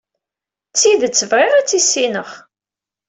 D tidet bɣiɣ ad tt-issineɣ.